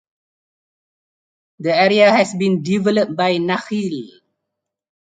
The area has been developed by Nakheel.